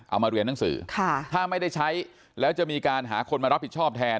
เอามาเรียนหนังสือถ้าไม่ได้ใช้แล้วจะมีการหาคนมารับผิดชอบแทน